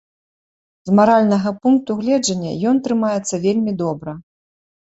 З маральнага пункту гледжання ён трымаецца вельмі добра.